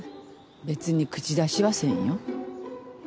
別に口出しはせんよ。